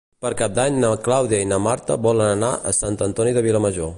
Per Cap d'Any na Clàudia i na Marta volen anar a Sant Antoni de Vilamajor.